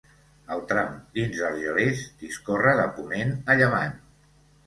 El tram dins d'Argelers discorre de ponent a llevant.